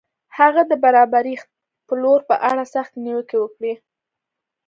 هغه د برابرښت پلور په اړه سختې نیوکې وکړې.